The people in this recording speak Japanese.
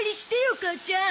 母ちゃん。